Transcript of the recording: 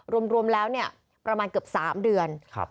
ก็รวมแล้วเนี่ยประมาณเกือบ๓เดือนครับ